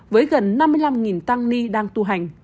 với gần năm mươi năm tăng ni đang tu hành